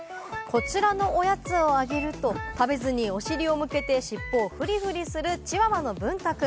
こちらのおやつをあげると食べずにお尻を向けて尻尾をフリフリするチワワのぶんた君。